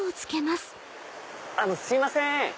あのすいません